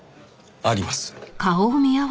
あります。